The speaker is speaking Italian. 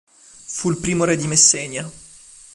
Fu il primo re di Messenia.